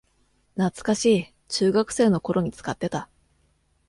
懐かしい、中学生の頃に使ってた